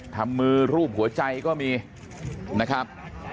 ทำมือรูปหัวใจก็มีนะครับ